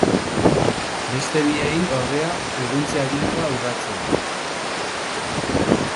Beste biei, ordea, urruntze agindua urratzea.